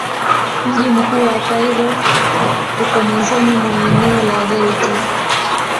Mji mkuu wa Kairo uko mwanzoni mwa eneo la delta.